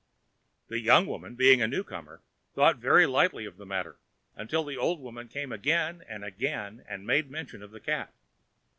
The young woman, being a new comer, thought but lightly of the matter, till the old woman came again and again to make mention of the cat.